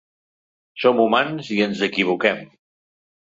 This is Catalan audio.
Som humans i ens equivoquem.